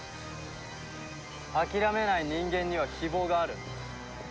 諦めない人間には希望がある。